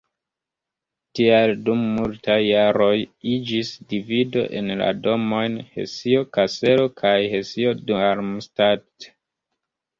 Tial dum multaj jaroj iĝis divido en la domojn Hesio-Kaselo kaj Hesio-Darmstadt.